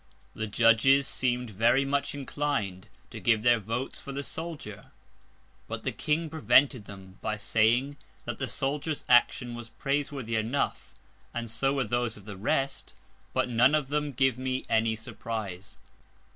The Judges seem'd very much inclin'd to give their Votes for the Soldier; but the King prevented them, by saying, that the Soldier's Action was praise worthy enough, and so were those of the rest, but none of them give me any Surprize.